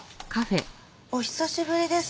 お久しぶりです。